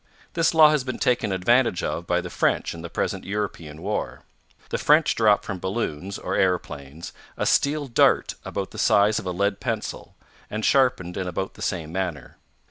This law has been taken advantage of by the French in the present European war. The French drop from balloons, or aeroplanes, a steel dart about the size of a lead pencil, and sharpened in about the same manner.